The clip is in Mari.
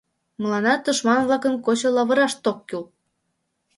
Мыланна тушман-влакын кочо лавырашт ок кӱл».